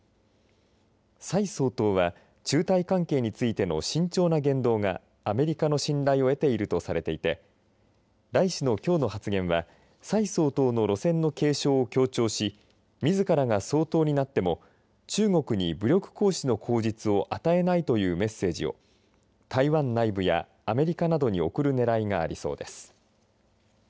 蔡総統は中台関係についての慎重な言動がアメリカの信頼を得ているとされていて頼氏のきょうの発言は蔡総統の路線の継承を強調しみずからが総統になっても中国に武力行使の口実を与えないというメッセージを台湾内部やアメリカなどに送るねらいがありそうです。